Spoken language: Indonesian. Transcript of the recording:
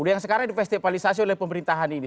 yang sekarang di festivalisasi oleh pemerintahan ini